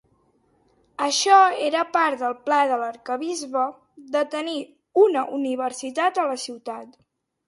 Això era part del pla de l'arquebisbe de tenir una universitat a la ciutat.